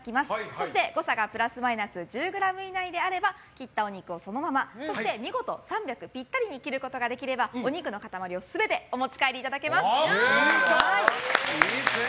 そして誤差がプラスマイナス１０ｇ以内であれば切ったお肉をそのままそして、見事３００ｇピッタリに切ることができればお肉の塊を全てお持ち帰りいただけます。